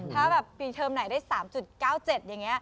ถ้าแบบปีเทอมไหนได้๓๙๗อย่างนี้